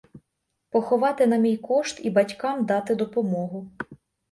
Поховати на мій кошт і батькам дати допомогу.